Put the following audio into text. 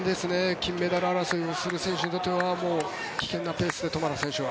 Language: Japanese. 金メダル争いをする選手にとってもう危険なペースでトマラ選手は。